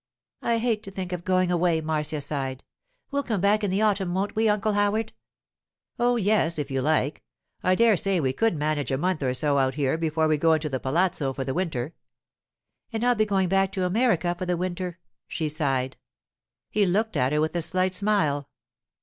'I hate to think of going away,' Marcia sighed. 'We'll come back in the autumn, won't we, Uncle Howard?' 'Oh, yes, if you like. I dare say we could manage a month or so out here before we go into the palazzo for the winter.' 'And I'll be going back to America for the winter,' she sighed. He looked at her with a slight smile.